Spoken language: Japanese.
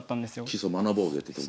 基礎学ぼうぜって時。